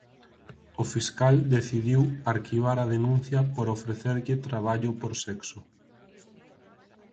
O fiscal decidiu arquivar a denuncia por ofrecerlle traballo por sexo.